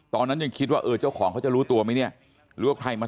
ตอนนั้นยังคิดว่าเออเจ้าของเขาจะรู้ตัวไหมเนี่ยหรือว่าใครมา